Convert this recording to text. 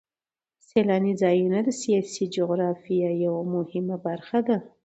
سیلاني ځایونه د سیاسي جغرافیه یوه مهمه برخه ده.